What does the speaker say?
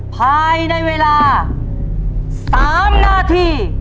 ภายในเวลา๓นาที